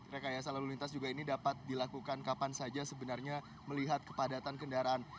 rekayasa lalu lintas juga ini dapat dilakukan kapan saja sebenarnya melihat kepadatan kendaraan